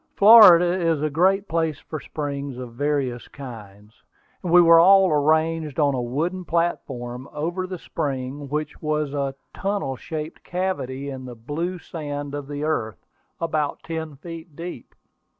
Florida is a great place for springs of various kinds. We were all arranged on a wooden platform over the spring, which was a tunnel shaped cavity in the blue sand of the earth, about ten feet deep.